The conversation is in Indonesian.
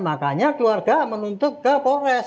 makanya keluarga menuntut ke polres